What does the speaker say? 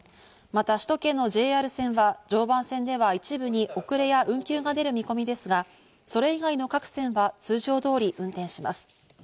また首都圏のＪＲ線は、常磐線では一部に遅れや運休が出る見込みですが、それ以外の各線は通常通り運転します。